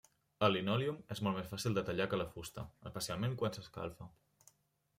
El linòleum és molt més fàcil de tallar que la fusta, especialment quan s'escalfa.